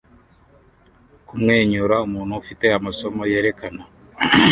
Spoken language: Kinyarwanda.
Kumwenyura umuntu ufite amasomo yerekana